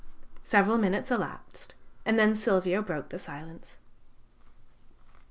Several minutes elapsed, and then Silvio broke the silence.